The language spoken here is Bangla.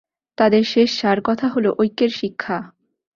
তাদের শেষ সার কথা হল ঐক্যের শিক্ষা।